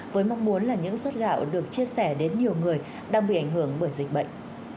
với mong muốn là những suất gạo được chia sẻ đến nhiều người đang bị ảnh hưởng bởi dịch bệnh